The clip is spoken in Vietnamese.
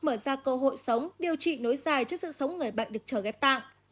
mở ra cơ hội sống điều trị nối dài trước sự sống người bệnh được trở ghép tạng